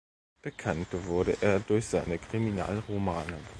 Bekannt wurde er durch seine Kriminalromane.